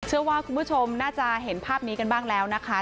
เชื่อว่าคุณผู้ชมน่าจะเห็นภาพนี้กันบ้างแล้วนะคะ